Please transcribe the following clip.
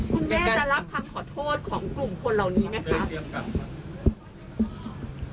คุณแม่จะรับคำขอโทษของกลุ่มคนเหล่านี้ไหมคะ